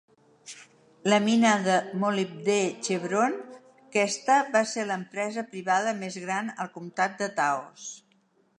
La mina de molibdè Chevron Questa va ser l'empresa privada més gran al comtat de Taos.